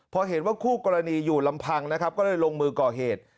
พอเห็นว่าคู่กรณีอยู่ลำพังนะครับก็เลยลงมือก่อเหตุ